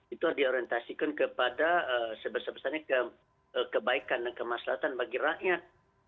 itu harus diorientasikan kepada sebesar besarnya kebaikan dan kemaslahan bagi rakyat